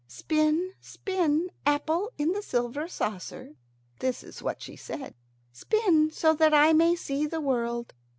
"Spin, spin, apple in the silver saucer." This is what she said. "Spin so that I may see the world.